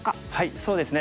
そうですね